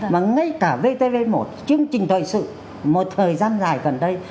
mà ngay cả vtv một chương trình thời sự một thời gian dài gần đây